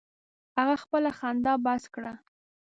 هغه خپله خندا بس کړه.